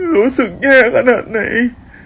รู้สึกแย่ขนาดไหน